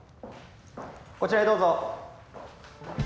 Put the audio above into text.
こちらへどうぞ。